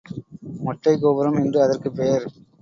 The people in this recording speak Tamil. மொட்டைக் கோபுரம் என்று அதற்குப் பெயர்.